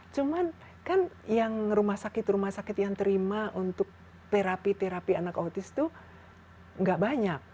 cuman kan yang rumah sakit rumah sakit yang terima untuk terapi terapi anak autis itu nggak banyak